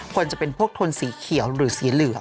ควรจะเป็นพวกโทนสีเขียวหรือสีเหลือง